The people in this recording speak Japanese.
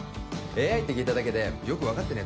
ＡＩって聞いただけでよく分かってねえ